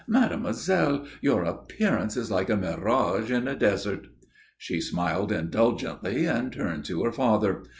"Mademoiselle, your appearance is like a mirage in a desert." She smiled indulgently and turned to her father.